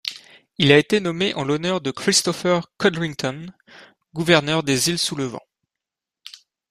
Il a été nommé en l'honneur de Christopher Codrington, gouverneur des Îles Sous-le-Vent.